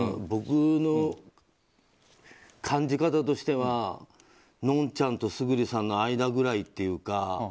僕の感じ方としてはのんちゃんと村主さんの間ぐらいというか。